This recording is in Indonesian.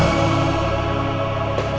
ya allah ya allah